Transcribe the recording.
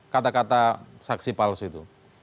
kata kata saksi palsu itu